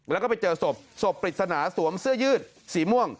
แล้วก็ไปเจอศพศพปริศนาสวมเสื้อยืดสีม่วง